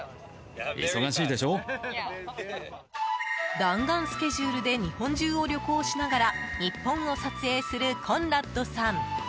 弾丸スケジュールで日本中を旅行しながら日本を撮影するコンラッドさん。